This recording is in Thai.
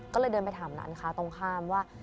ก็เลยเดินไปถามร้านค้าตรงข้ามว่า